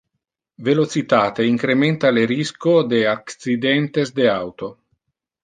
Velocitate incrementa le risco de accidentes de auto.